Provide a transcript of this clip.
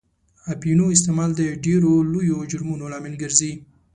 اپینو استعمال د ډېرو لویو جرمونو لامل ګرځي.